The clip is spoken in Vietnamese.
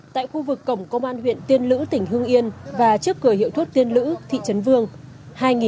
tại khu vực cổng công an huyện tiên lữ tỉnh hương yên và trước cửa hiệu thuốc tiên lữ thị trấn vương